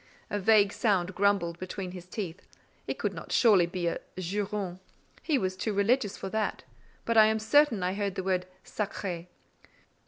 A vague sound grumbled between his teeth; it could not surely be a "juron:" he was too religious for that; but I am certain I heard the word sacré.